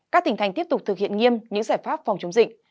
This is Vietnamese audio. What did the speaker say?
các tỉnh thành tiếp tục thực hiện nghiêm những giải pháp phòng chống dịch